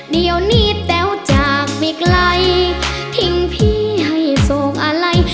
เดี๋ยวนี้แต้วจากไปไกลทิ้งพี่ให้โศกอะไร